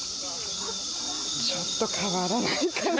ちょっと変わらないかな。